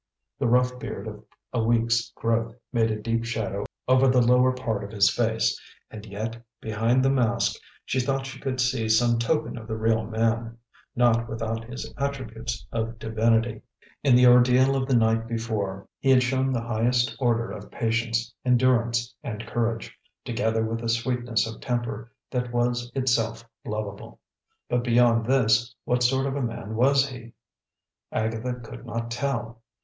The rough beard of a week's growth made a deep shadow over the lower part of his face; and yet, behind the mask, she thought she could see some token of the real man, not without his attributes of divinity. In the ordeal of the night before he had shown the highest order of patience, endurance and courage, together with a sweetness of temper that was itself lovable. But beyond this, what sort of man was he? Agatha could not tell.